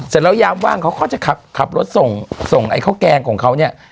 เสร็จแล้วยามว่างเขาก็จะขับรถส่งส่งไอ้ข้าวแกงของเขาเนี่ย